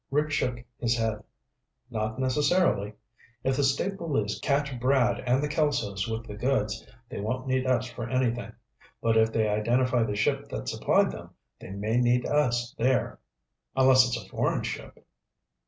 Rick shook his head. "Not necessarily. If the State Police catch Brad and the Kelsos with the goods, they won't need us for anything. But if they identify the ship that supplied them, they may need us there." "Unless it's a foreign ship."